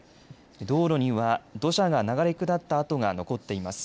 道路には土砂が流れ下った跡が残っています。